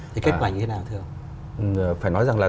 thì kết bành thế nào thưa ông phải nói rằng là